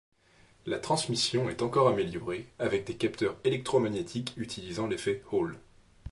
La transmission est encore améliorée, avec des capteurs électro-magnétiques utilisant l'effet Hall.